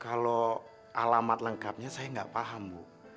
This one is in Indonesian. kalau alamat lengkapnya saya nggak paham bu